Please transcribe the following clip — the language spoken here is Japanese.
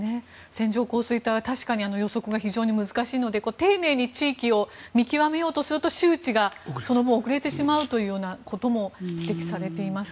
線状降水帯は予測が非常に難しいので丁寧に地域を見極めようとすると周知がその分遅れてしまうというようなことも指摘されています。